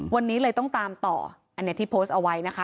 วันนี้เลยต้องตามต่ออันนี้ที่โพสต์เอาไว้นะคะ